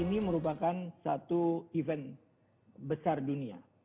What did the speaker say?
ini merupakan satu event besar dunia